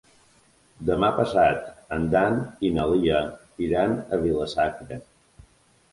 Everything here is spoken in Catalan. Demà passat en Dan i na Lia iran a Vila-sacra.